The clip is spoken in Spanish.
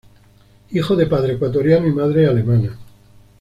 Hijo de padre ecuatoriano y madre alemana.